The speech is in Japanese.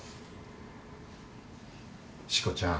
しこちゃん。